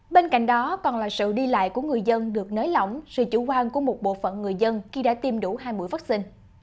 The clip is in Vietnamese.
bên cạnh đó còn là sự đi lại của người dân được nới lỏng sự chủ quan của một bộ phận người dân khi đã tiêm đủ hai mũi vaccine